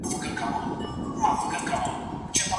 مرکه کي صداقت نه و.